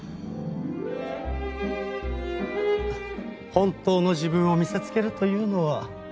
本当の自分を見せつけるというのは。